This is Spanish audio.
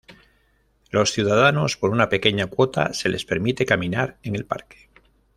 Los ciudadanos por una pequeña cuota se les permite caminar en el parque.